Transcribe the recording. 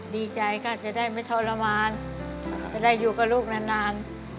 ดีใจค่ะจะได้ไม่ทรมานจะได้อยู่กับลูกนาน